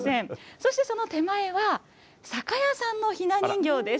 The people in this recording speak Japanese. そしてこの手前は、酒屋さんのひな人形です。